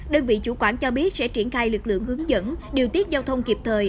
đơn vị chủ quản cho biết sẽ triển khai lực lượng hướng dẫn điều tiết giao thông kịp thời